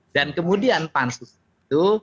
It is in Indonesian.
dan kemudian pansus itu